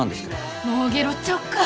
もうゲロっちゃおうか。